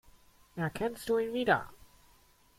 Erkennst du ihn wieder?